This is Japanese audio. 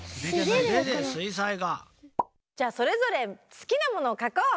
じゃあそれぞれすきなものを描こう！